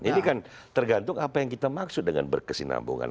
ini kan tergantung apa yang kita maksud dengan berkesinambungan